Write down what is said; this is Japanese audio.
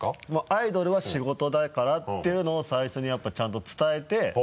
アイドルは仕事だからっていうのを最初にやっぱちゃんと伝えて。